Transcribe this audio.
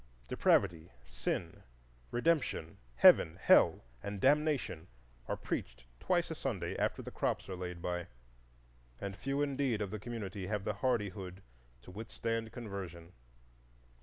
Depravity, Sin, Redemption, Heaven, Hell, and Damnation are preached twice a Sunday after the crops are laid by; and few indeed of the community have the hardihood to withstand conversion.